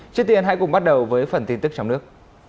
trước tiên hãy cùng bắt đầu với phần tin tức trong nước